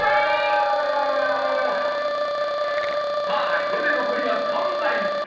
さあこれで残りは３台